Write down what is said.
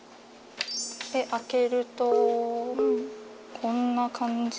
開けるとこんな感じ。